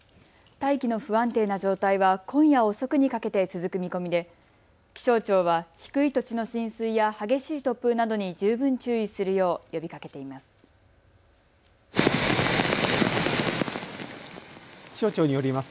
大気の不安定な状態は今夜遅くにかけて続く見込みで気象庁は低い土地の浸水や激しい突風などに十分注意するよう呼びかけています。